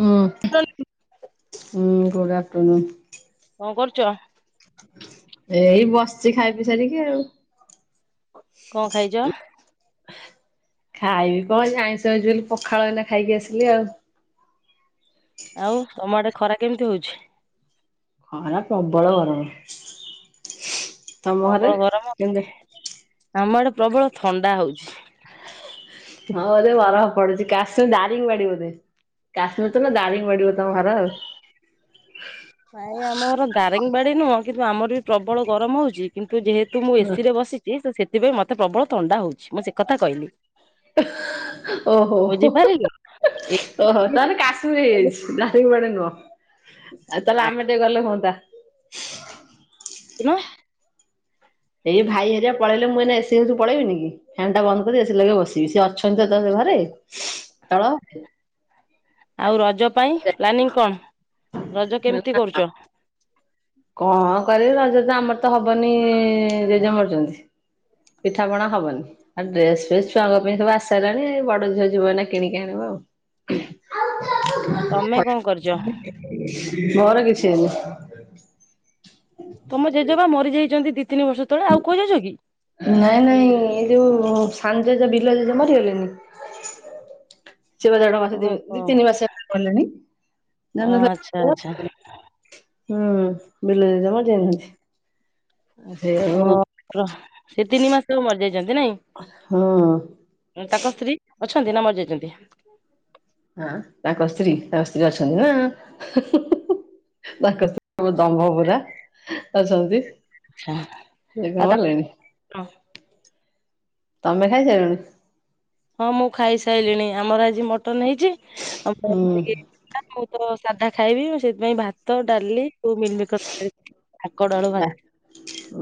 ହଁ ହୁଁ good afternoon. କଣ କରୁଚ। ଏଇ ବସିଛି ଖାଇ ପି ସାରିକି ଆଉ। କଣ ଖାଇଚ। ଖାଇବି କଣ ଆଜି ଆଇଁଷ ଏଇଚି ବୋଲି ପଖାଳ ଏଇନା ଖାଇକି ଆସିଲି ଆଉ। ଆଉ ତମ ଆଡେ ଖରା କେମିତି ହଉଛି। ଖରା ପ୍ରବଳ ଗରମ ତମ ପ୍ରବଳ ଘରେ ଗରମ। କେମିତି ଆ ଆମ ଆଡେ ପ୍ରବଳ ଥଣ୍ଡା ହଉଛି। ହଁ ବୋଧେ ବରଫ ପଡୁଛି କାସୁ ଦାରିଙ୍ଗବାଡି ବୋଧେ। କାଶ୍ମୀର ତ ନୁହଁ ଦାରିଙ୍ଗ୍ ବାଡି ବୋଧେ ତମ ଘର ଆଉ। ନାଇଁ ଆମ ଘର ଦାରିଙ୍ଗୀବାଡି ନୁହଁ କିନ୍ତୁ ଆମର ବି ପ୍ରବଳ ଗରମ ହଉଛି କିନ୍ତୁ ଯେହେତୁ ମୁଁ ଏସି ରେ ବସିଚି। ଚି ତ ସେଥିପାଇଁ ମତେ ପ୍ରବଳ ଥଣ୍ଡା ହଉଛି ମୁଁ ସେ କଥା କହିଲି। ଓହୋ ବୁଝିପାରିଲ ଓହୋ ତାହାଲେ କା କାଶ୍ମୀର ଦାରିଙ୍ଗିବାଡି ନୁହଁ ଆଉ ତାହେଲେ ଆମେ ଟିକେ ଗଲେ ହୁଅନ୍ତା। ଆସୁନ। ଏଇ ଭାଇ ହେରିଆ ପଳେଇଲେ ମୁଁ ଏନା ଏସି ରୁମୁରୁ ପଳେଇବି ନି କି। ଫ୍ୟାନ୍ ଟା ବନ୍ଦ କରିକି ଏସି ଲଗେଇକି ବସିବି ସେ ଅଛନ୍ତି ତ ଡରରେ ଘରେ ତ ଆଉ ରଜ ପାଇଁ ପ୍ଲାନିଂ କଣ ରଜ କେମିତି କରୁଚ। କଣ କରିବି ରଜ ତ ଆମର ତ ହବନି ଜେଜେ ମରିଚନ୍ତି। ପିଠାପଣା ହବନି। ଆଉ ଡ୍ରେସ୍‌ ଫ୍ରେସ୍‌ ଛୁଆଙ୍କ ପାଇଁ ସବୁ ଆସି ସାଇଲାଣି ବଡ ଝିଅ ଯିବ ଏଇନା କିଣିକି ଆଣିବ ଆଉ। ଆଉ ତମେ କଣ କରିଛ? ମୋର କିଛି ହେଇନି। ତମ ଜେଜେବା ମରିଯାଇଚନ୍ତି ଦି ତିନି ବର୍ଷ ତଳେ ଆଉ କୋଉ ଜେଜ କି? ନାଇଁ ନାଇଁ ଏଇ ଯୋଉ ସାନ ଜେଜେ ବିଲୁଆ ଜେଜ ମରିଗଲେନି। ଶିବ ଜାଗ ମାସ ଦିନ୍ ଓହୋ ଦି ତିନି ମାସ ଗଲେଣି ଓ ଜାଣିଲ ଆଚ୍ଛା ଆଚ୍ଛା ତ ହୁଁ ବିଲୁ ଜେଜେ ମରି ଯାଇଚନ୍ତି ଆ ସେଇଆ ଆଉ। ଓ ସେ ତିନି ମାସ ମରି ଯାଇଚନ୍ତି ହଁ ନାଇଁ ତାଙ୍କ ସ୍ତ୍ରୀ ଅଛନ୍ତି ନା ମରି ଯାଇଚନ୍ତି। ହଁ ତାଙ୍କ ସ୍ତ୍ରୀ ତାଙ୍କ ସ୍ତ୍ରୀ ଅଛନ୍ତି ନା। ତାଙ୍କ ସ୍ତ୍ରୀ ଦମ୍ଭ ପରା ଅଛନ୍ତି। ଆଛା। ସେ କଣ ହେଲେଣି ତମେ ଖାଇସାରିଲଣି? ହଁ ମୁଁ ଖାଇସାରିଲିଣି ଆମର ଆଜି ମଟନ ହେଇଚି। ହୁଁ [unintelligible] ହେ ମୁଁ ତ ସାଧା ଖାଇବି, ମୁଁ ସେଥିପାଇଁ ଭାତ ଡାଲି ମିଲମିକର [unintelligible]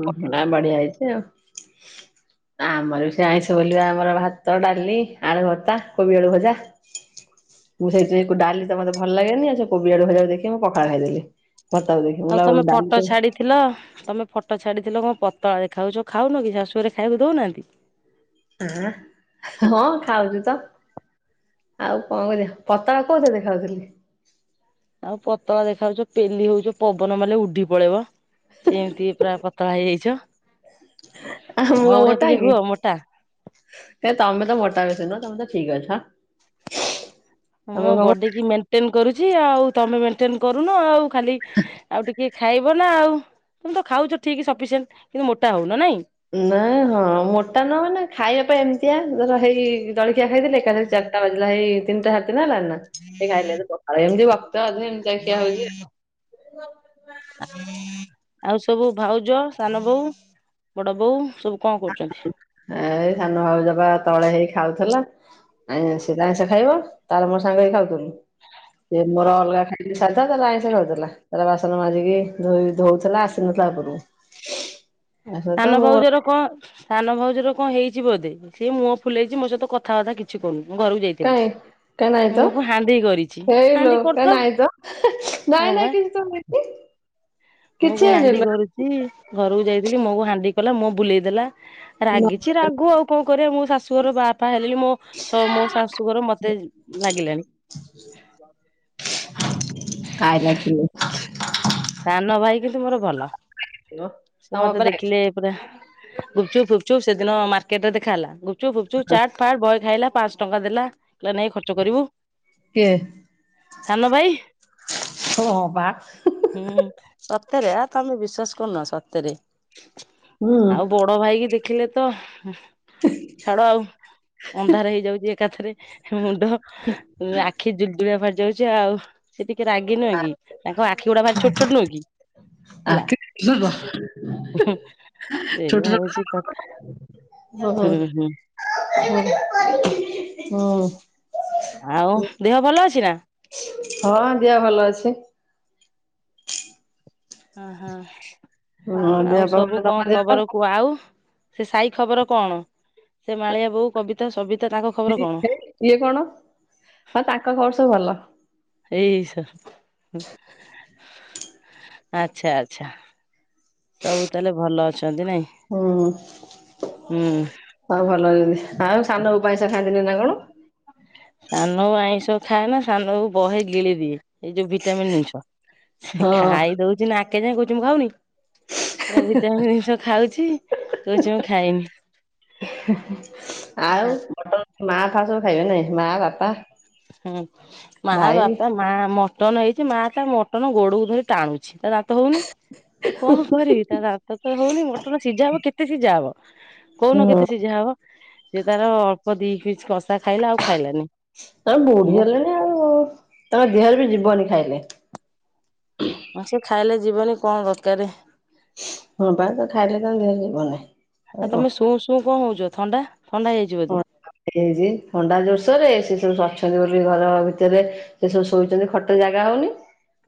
ଉ ନା ବଢିଆ ହେଇଚି ଆଉ। ଆମର ବି ସେ ଆଇଁଷ ବୋଲିବା ଆମର ଭାତ ଡାଲି ଆଳୁ ଭତ୍ତା କୋବି ଆଳୁ ଭଜା। ମୁଁ ସେଇଠି ଡାଲି ତ ମତେ ଭଲ ଲାଗେନି, ଆଉ ସେ କୋବି ଆଡୁ ଭଜାକୁ ଦେଖି ମୁଁ ପକାଳ ଖାଇଦେବି। [unintelligible] ଥିଲ ତୁମେ ଫଟୋ ଛାଡ଼ିଥିଲ କଣ ପତଳା ଦେଖାଉଛ, ଖାଉନ କି ଶାଶୁଆରେ ଖାଇବାକୁ ଦୋଉନାହାନ୍ତି? ହଁ ଖାଉଚି ତ। ଆଉ କଣ କରିବା ପତଳା କୋଉ ଥିରେ ଦେଖାଉଥିଲି? ଆଉ ପତଳା ଦେଖାଯାଉଚ, ପେଲି ହୋଉଚ ପବନ ମାଇଲେ ଉଡିି ପଳେଇବ। ସେମିତି ପୁରା ପତଳା ହେଇଯାଇଚ, ଆଉ ମୋ ଭଳିଆ ଟିକେ ହୁଅ ମୋଟା। ହେ ତମେ ତ ମୋଟା ବିଶି ନୁହଁ ତମେ ତ ଠିକ ଅଛ। ତମେ ମୋ କଣ ବଡି କି ମେଟେନ କରୁଚି ଆଉ, ତମେ ମେଣ୍ଟେନ କରୁନ ଆଉ ଖାଲି ଆଉ ଟିକେ ଖାଇବ ନା ଆଉ ତମେ ତ ଖାଉଛ ଠିକ ସଫିସିଏଣ୍ଟ, କିନ୍ତୁ ମୋଟା ହଉନ ନାଇଁ ନା ହଁ ମୋଟା ନ ହେନେ ଖାଇବା ପାଇଁ ଏମିତିଆ ଧର ହେଟି ଜଳଖିଆ ଖାଇଦଲେ କାଲି ଚାରିଟା ବାଜିଲା ହେଇ ତିନଟା ଦିନ ହେଲା ନା ହୁଁ [unintelligible] ପଖାଳ ଅଧେ ଏମିତିଆ ଖିଆ ହଉଛି ଆଉ। [inaudible] ଆଉ ସବୁ ଭାଉଜ ସାନ ବୋଉ ବଡ଼ ବୋଉ ସବୁ କଣ କରୁଛନ୍ତି? ଏ ଏଇ ସାନ ଭାଉ ଯବା ତଳେ ହେଇକ ଖାଉଥିଲା। ଆ ସେ ତ ଆଇଁଷା ଖାଇବ ତାର ମୋର ସାଙ୍ଗ ହେକି ଖାଉଥିଲୁ ସେ ମୋର ଅଲଗା ଖାଇ ସାଧା ତା ଆଇଁଷ ଖାଉଥିଲା ତାର ବାସନ ମାଜିିକି ଧୋଇ ଧୋଉଥିଲା ଆସିନଥିଲା ଉପରକୁ। ଆସିନଥିଲା ତ ସାନ ମୁଁ ଭଉଜର କଣ ସାନ ଭାଉଜର କଣ ହେଇଛି ବୋଧେ? ସି ମୁହ ଫୁଲେଇଚି ମୋ ସହିତ କଥାବାର୍ତା କିଛି କରୁନି, ଘରକୁ ଯାଇ କାଇଁ କାଇଁ ନାଇଁ ତ କରିଛି ହେଇଲୋ ହାଣ୍ଡି କାଇଁ କରିଥାଉ ନାଇଁ ତ ହଁ ନାଇଁ ନାଇଁ କି [unintelligible] ମୁହଁ କୁ ହାଣ୍ଡି କରୁଚି, ଘରକୁ ଯାଇଥିଲି ମୋ କ ହାଣ୍ଡି କଲା ମୋ ବୁଲେଇ ଦେଲା। ଲୋ ରାଗିଛି ରାଗୁ ଆଉ କଣ କରିବା, ମୋ ଶାଶୁଘର ବାପା ହେଲେଣି ମୋ ମୋ ଶାଶୁଘର ମତେ ଲାଗିଲାଣି। [unintelligible] ସାନ ଭାଇ କିନ୍ତୁ ମୋର ଭଲ, ଥିବ ସେ ତମ ମତେ ପରା ଦେଖିଲେ ପୁରା ଗୁପଚୁପ ଫୁପଚୁପ ସେଦିନ ମାର୍କେଟରେ ଦେଖା ହେଲା, ଗୁଚୁ ଫୁଚୁ ଚାଟ୍ ଫାଟ ବହେ ଖାଇଲା। ପାଞ୍ଚ ଟଙ୍କା ଦେଲା, ନେ ଖର୍ଚ୍ଚ କରିବୁ, ସାନ ଭାଇ ହ ବା। ହୁଁ ସତରେ ଆ ତମେ ବିଶ୍ବାସ କରୁନ ସତରେ। ହୁଁ ଆଉ ବଡ ବଡ ଭାଇକି ଦେଖିଲେ ତ ଛାଡ ଆଉ ଅନ୍ଧାର ହେଇଯାଉଛି ଏକାଥରେ ମୁଣ୍ଡ, ଆଖି ଜୁଲଗୁଳିଆ ଫଡି ଯାଉଛି ଆଉ ସେ ଟିକେ ରାଗି ନୁହେଁ କି? ତାଙ୍କ ଆ ତାଙ୍କର ଛୋଟ ଛୋଟ ନୁହଁ କି ହେଲା। ଛୋଟ ହୁଁ ସେଇୟା ହଉଛି କଥା। ହଁ ହୁଁ ହୁଁ ହଁ ହଁ [unintelligible] ଆଉ ଦେହ ଭଲ ଅଛି ନା? ହଁ ଦେହ ଭଲ ଅଛି। ଓହୋ ହଁ ଦେହ ଆଉ ପା ଭଲ ସବୁ ତମ କଣ ଦେହ ପା ଖବର? କୁ ଆଉ ସେ ସାଇ ଖବର କଣ ସେ ମାଳିଆ ବୋଉ କବିତା ସବିତା ତାଙ୍କ ଖବର କଣ? ଇଏ କଣ ହଁ ତାଙ୍କ ଖବର ସବୁ ଭଲ। ହେଇସ୍। ଆଚ୍ଛା ଆଚ୍ଛା ସବୁ ତାହେଲେ ଭଲ ଅଛନ୍ତି ନାଇଁ। ହୁଁ ହୁଁ ଆଉ ଭଲ ଅଛନ୍ତି ଆଉ ସାନବୋଉ ପଇସା ଖାଇଦେଇଚନ୍ତି ନା କଣ? ସାନ ବୋଉ ଆଇଁଷ ଖାଏ ନା ସାନବୋହୂ ବହେ ଗିଳି ଦିଏ। ଏଇ ଯୋଉ ଭିଟାମିିନ ଜିନିଷ ସେ ହଁ ଖାଇ ଦଉଛି ନାକେ ଯାଏଁ କହୁଛି ମୁଁ ଖାଉନି ପୁରା ଏମିତି ଜିନିଷ ଖାଉଛି କହୁଛି ମୁଁ ଖାଇନି। ଆଉ। ହେଲା ମା ଫା ସବୁ ଖାଇବେ ନାଇଁ ମା ବାପା। ହୁଁ ମା ଭାଇ ବାପା। ମା ମଟନ ହେଇଛି ମା ତା ମଟନ ଗୋଡକୁ ଧରି ଟାଣୁଛି ତା ଦାନ୍ତ ହଉନି। କଣ କରିବି ତା ଦାନ୍ତ ତ ହଉନି ମଟନ ସିଝା ହବ କେତେ ସିଝା ହବ। କହୁନ ହୁଁ କେତେ ସିଝା ହବ ସିଏ ତାର ଅଳ୍ପ ଦି ପିସ କଷା ଖାଇଲା ଆଉ ଖାଇଲାନି। ତମେ ବୁଢୀ ମୁଁ ହେଲେଣି ଆଉ ତମ ଦେହରେ ବି ଯିବନି ଖାଇଲେ। ହଁ ସେ ଖାଇଲେ ଯିବନି କଣ ଦରକାର? ହଁ ପା ତ ଖାଇଲେ ତ ଦେହରେ ଯିବନାହିଁ। ଆଉ ତମେ ଶୁଁ ଶୁଁ କଣ ହଉଛ ଥଣ୍ଡା ଥଣ୍ଡା ହେଇଯାଇଛି ବୋଧେ। ଏଇ ଥଣ୍ଡା ଜୋରସୋରେ ସେ ସବୁ ଆଛନ୍ତି ବୋଲି ଘର ଭିତରେ ସେ ସବୁ ଶୋଇଛନ୍ତି ଖଟରେ ଜାଗା ହଉନି।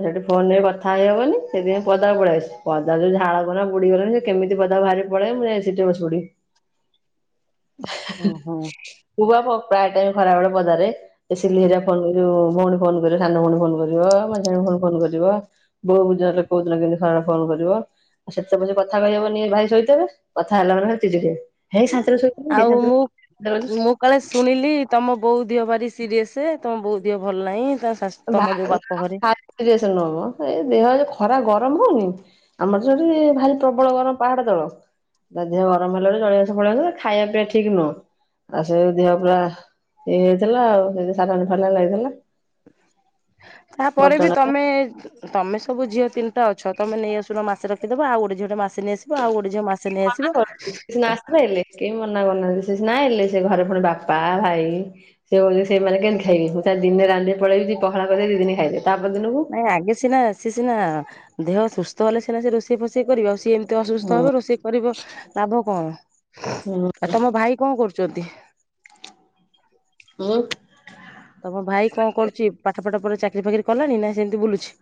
ସେଇଠି ଫୋନରେ କଥା ହେଇ ହବନି ସେଥିପାଇଁ ପଦାକୁ ପଳେଇ ଆସିଚି ପଦା ଯୋଉ ଝାଳ ଗଲା ବୁଡିଗଲାଣି। କେମିତି ପଦାକୁ ବାହାରି ପଲେଇବେ ମୁଁ ଯାଇ ସେଠି ବସିପଡ଼ିବି। ଓହୋ। ମୁଁ ପା ପ୍ରାୟ ଟାଇମ ଖରାବେଳେ ପଦାରେ ସିଲି ହେରିକା ଫୋନ କରି ଯୋଉ ଭଉଣୀ ଫୋନ କରିବ ସାନଭଉଣୀ ଫୋନ କରି ଝୁଅ ମଝିଆଣି ଫୋନ କରିପାରିବ ବୋଉ ଉଜାହେଲେ କୋଉଦିନ କେମତି ଖରାବେଳେ ଫୋନ କରିବ। ଆଉ ସେତେବେଳେ କଥା କହିଁବନି ଭାଇ ସୋଇଥିବେ କଥା ହେଲା ମାନେ ଚିଡିବେ ହେଇ ସାନ୍ତିରେ ସୋଇ [unintelligible] ସକାଳେ ଶୁଣିଲି ତମ ବୋଉ ଦିଅ ଭାରି ସିରିଏସ ତମ ବୋଉ ଦିଅ ଭଲ ନାହିଁ ତା ଶାଶ [unintelligible] ଏ ଦେହ ଯୋଉ ଖରା ଗରମ ହଉନି। ଆମର ସେଠି ଭାରି ପ୍ରବଳ ଗରମ ପାହାଡ ତଳ। ତା ଦେହ ଗରମ ହେଲାରୁ ଜଳିଅଶ ପଲେଇଆସିଲା ଖାଇବା ପିଇବା ଠିକ୍ ନୁହଁ। ଆଉ ସେଇ ଦିହ ପୁରା ଇଏ ହେଇଥିଲା ଆଉ ସାଲାଇନ୍ ଫାଲାଇନ୍ ଲାଗିଥିଲା। ତାପରେ ବି ବଚଣା ତମେ ତମେ ସବୁ ଝିଅ ତିନିଟାଅଛ ତମେ ନେଇଆସୁନ ମାସେ ରଖିଦବ ଆଉ ଗୋଟେ ଝିଅଟେ ମାସେ ନେଇଆସିବ। ଆଉ ଗୋଟେ ଝିଅ ମାସେ ନେଇ ଆସିବ। ସେ ସିନା ଆସିଲେ କେହି ମନା କରୁନାହାନ୍ତି ସେ ସିନା ଆଇଲେ ସେ ଘରେ ପୁଣି ବାପା ଭାଇ ସେଇ ଓଳିରେ ସେମାନେ କେମିତି ଖାଇବେ ମୁଁ ସିନା ଦିନେ ରାନ୍ଧିକି ପଳେଇବି ପଖାଳ କରିଦେବି ଦି ଦିନ ଖାଇବେ ତା ପରଦିନକୁ। ନାଇଁ ଆଗେ ସିନା ସିଏ ସିନା ଦେହ ସୁସ୍ଥ ହେଲେ ସିନା ସେ ରୋଷେଇ ଫୋଷେଇ କରିବ ଆଉ ସିଏ ଏତେ ଅସୁସ୍ଥ ହୁଁ ହେବ ରୋଷେଇ କରିବ ଲାଭ କଣ ହୁଁ ଆଉ ତମ ଭାଇ କଣ କରୁଛନ୍ତି? ହୁଁ। ତମ ଭାଇ କଣ କରୁଛି ପାଠ ପାଠ ପରେ ଚାକିରି ଫାକିରି କଲାଣି ନାଇଁ ସେମିତି ବୁଲୁଛି।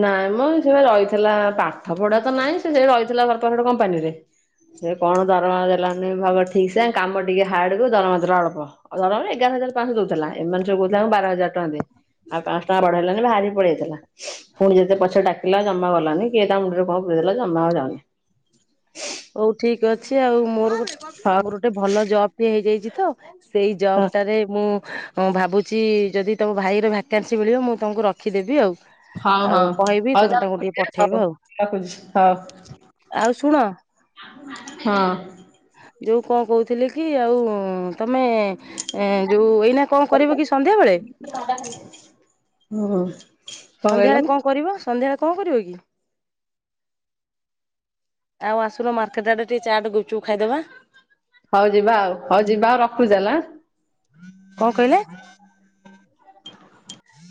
ନାଇଁ ମ ସିଏପା ରହିଥିଲା ପାଠ ପଢା ତ ନାଇଁ ସେ ସେଠି ରହିଥିଲା [unintelligible] କମ୍ପାନୀରେ ସେ କଣ ଦରମା ଦେଲାନି ଭଲ ଠିକ ସେ କାମ ଟିକେ ହାଡ୍ କୁୁ ଦରମା ଦେଲା ଅଳ୍ପ। ଆ ଦରମା ଏଗାର ହଜାର ପାଞ୍ଚଶହ ଦଉଥିଲା ଏମାନେ ସବୁ କହୁଥିଲେ ଆମକୁ ବାର ହଜାର ଟଙ୍କା ଦେ। ଆଉ ପାଞ୍ଚସହ ଟଙ୍କା ବଢେଇଲାନି ବାହାରି କି ପଳେଇଆଇଥିଲା ପୁଣି ଯେତେ ପଛେ ଡାକିଲା ଜମା ଗଲାନି କିଏ ତା ମୁଣ୍ଡରେ କଣ ପୁରେଇଦେଲା ଜମା ଆଉ ଯାଉନି। ହଉ ଠିକ ଅଛି ଆଉ ମୋର ଗୋଟେ ହଉ ମୋର ଗୋଟେ ଭଲ ଜବ୍ ବି ହେଇଯାଇଛି। ତ ସେଇ ଜବଟାରେ ମୁଁ ମୁଁ ଭାବୁଚି ଯଦି ତମ ଭାଇର ଭ୍ୟାକାନ୍ସି ମିଳିବ ମୁଁ ତମକୁ ରଖିଦେବି ଆଉ। ହଁ ହଉ ଆଉ ହଉ କହିବି ହଉ ଯା ତମେ ତାଙ୍କୁ ଟିକେ ରଖୁଛି ହଉ ପଠେଇବ ଆଉ। ରଖୁଛି ହଉ ଆଉ ଶୁଣ ହଁ। ଯୋଉ କଣ କୋହୁଥିଲି କି ଆଉ ତମେ ଏଁ ଯୋଉ ଏଇନା କଣ କରିବ କି ସନ୍ଧ୍ୟାବେଳେ? ଓ। ସନ୍ଧ୍ୟାବେଳେ କଣ କରିବ ସନ୍ଧ୍ୟାବେଳେ କଣ କରିବ କି? ଆଉ ଆସୁନ ମାର୍କେଟ ଆଡେ ଟିକେ ଚାଟ, ଗୁପଚୁପ ଖାଇଦବା। ହୋଉ ଯିବା ଆଉ ହୋଉ ଯିବା ଆଉ ରଖୁଚି ତାହେଲେ ଆଁ। କଣ କହିଲେ?